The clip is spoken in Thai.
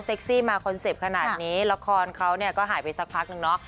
ซี่มาคอนเซ็ปต์ขนาดนี้ละครเขาเนี่ยก็หายไปสักพักนึงเนาะ